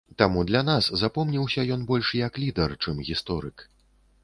Таму для нас запомніўся ён больш як лідар, чым гісторык.